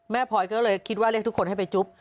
พลอยก็เลยคิดว่าเรียกทุกคนให้ไปจุ๊บ